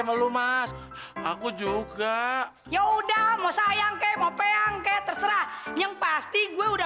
sama lu mas aku juga ya udah mau sayang kek mau peang kek terserah yang pasti gue udah